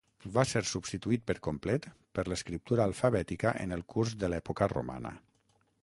Va ser substituït per complet per l'escriptura alfabètica en el curs de l'època romana.